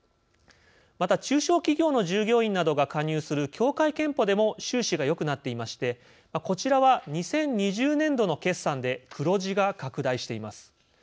また中小企業の従業員などが加入する協会けんぽでも収支がよくなっていましてこちらは２０２０年度の決算で黒字が拡大しています。